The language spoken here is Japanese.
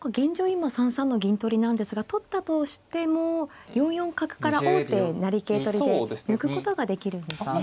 今３三の銀取りなんですが取ったとしても４四角から王手成桂取りで抜くことができるんですね。